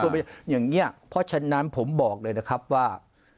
เพราะฉะนั้นผมบอกเลยนะครับว่า